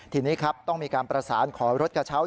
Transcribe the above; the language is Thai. ทีนี้ครับต้องมีการประสานขอรถกระเช้า